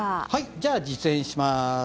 じゃあ実演します。